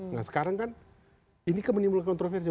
nah sekarang kan ini kemenimbulkan kontroversi